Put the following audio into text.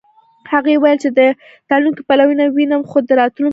هغې وویل چې د تلونکو پلونه وینم خو د راوتونکو نه.